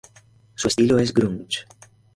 Su estilo es Grunge.